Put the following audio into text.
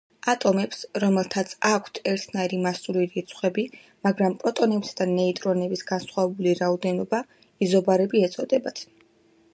ატომებს, რომელთაც აქვთ ერთნაირი მასური რიცხვები, მაგრამ პროტონებისა და ნეიტრონების განსხვავებული რაოდენობა, იზობარები ეწოდებათ.